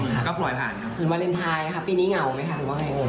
หรือว่าวาลินทรายวันนี้เหงาไหมค่ะ